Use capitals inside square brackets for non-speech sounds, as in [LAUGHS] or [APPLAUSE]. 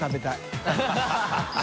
ハハハ [LAUGHS]